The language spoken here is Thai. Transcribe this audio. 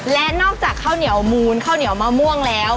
และนอกจากข้าวเหนียวมูลข้าวเหนียวมะม่วงแล้ว